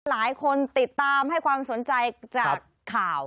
หลายคนติดตามให้ความสนใจจากข่าว